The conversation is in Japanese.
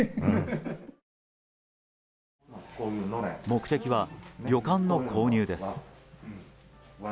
目的は旅館の購入です。